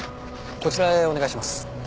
こちらへお願いします。